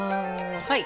はい！